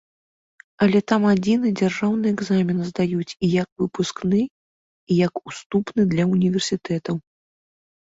Але там адзіны дзяржаўны экзамен здаюць і як выпускны, і як уступны для ўніверсітэтаў.